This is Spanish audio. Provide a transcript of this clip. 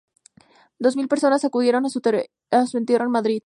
Dos mil personas acudieron a su entierro en Madrid.